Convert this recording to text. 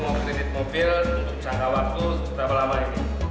mau kredit mobil untuk jangka waktu berapa lama ini